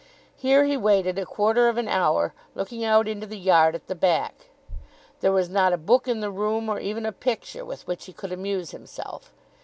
Here he waited a quarter of an hour looking out into the yard at the back. There was not a book in the room, or even a picture with which he could amuse himself.